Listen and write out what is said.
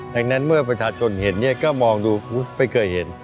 ดังนั้นเมื่อประชาชนเห็นเนี่ยก็มองดูไม่เคยเห็น